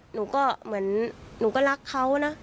หนูก็เหมือนหนูก็รักเขานะ